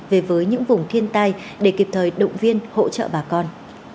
về với những vùng thiên tai để kịp thời động viên hỗ trợ bà con